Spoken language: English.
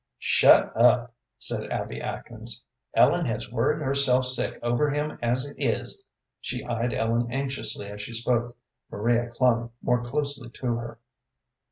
"Shut up," said Abby Atkins; "Ellen has worried herself sick over him as it is." She eyed Ellen anxiously as she spoke. Maria clung more closely to her.